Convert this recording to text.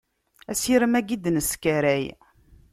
Asirem-agi i d-neskaray.